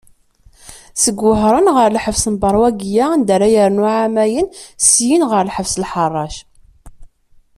Seg Wahṛen ɣer lḥebs n Beṛwagiya anda ara yernu εamayen, syin ɣer lḥebs Lḥaṛṛac.